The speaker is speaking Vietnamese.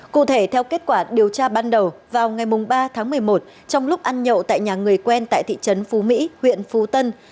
cụ thể theo kết quả điều tra ban đầu vào ngày ba tháng một mươi một trong lúc ăn nhậu tại nhà người quen tại thị trấn phú mỹ huyện phú tân